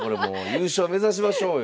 優勝目指しましょうよ。